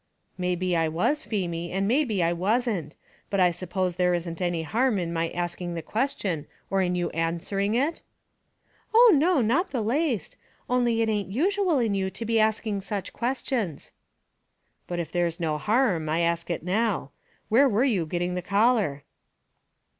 "May be I was, Feemy, and may be I wasn't; but I suppose there isn't any harum in my asking the question, or in you answering it?" "Oh no, not the laist; only it ain't usual in you to be asking such questions." "But if there's no harum, I ask it now; where were you getting the collar?"